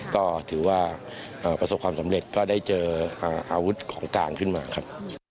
ก็ถือว่าประสบความสำเร็จก็ได้เจออาวุธของกลางขึ้นมาครับ